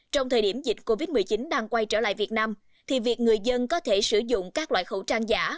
trong thời điểm dịch covid một mươi chín đang quay trở lại việt nam thì việc người dân có thể sử dụng các loại khẩu trang giả